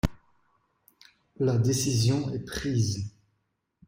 La décision est prise.